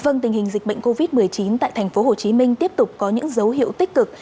vâng tình hình dịch bệnh covid một mươi chín tại thành phố hồ chí minh tiếp tục có những dấu hiệu tích cực